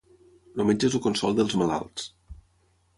El metge és el consol dels malalts.